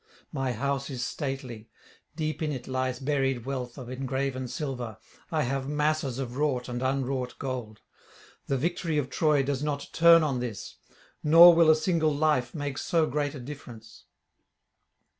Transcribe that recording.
My house is stately; deep in it lies buried wealth of engraven silver; I have masses of wrought and unwrought gold. The victory of Troy does not turn on this, nor will a single life make so great a difference.'